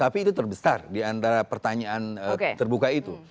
tapi itu terbesar diantara pertanyaan terbuka itu